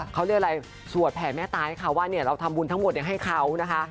เขาเรียกอะไรสวดแผนแม่ตายให้เขาว่าเราทำบุญทั้งหมดให้เขานะคะ